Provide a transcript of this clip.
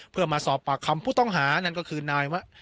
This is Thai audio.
เพื่อมาสอบปากคำผู้ต้องหานั่นก็คือนายวะ